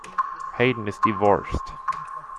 Hayden is divorced.